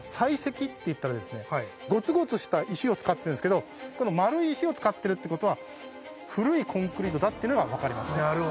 使ってるんですけど丸い石を使ってるってことは古いコンクリートだってのが分かりますね。